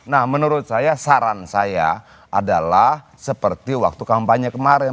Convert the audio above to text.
nah menurut saya saran saya adalah seperti waktu kampanye kemarin